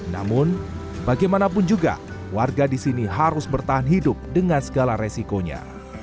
namun bagaimanapun juga warga di sini harus bertahan hidup dengan segala resikonya